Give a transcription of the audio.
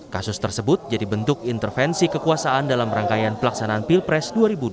kasus tersebut jadi bentuk intervensi kekuasaan dalam rangkaian pelaksanaan pilpres dua ribu dua puluh